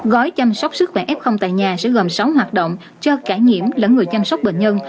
gói chăm sóc sức khỏe f tại nhà sẽ gồm sáu hoạt động cho trải nghiệm lẫn người chăm sóc bệnh nhân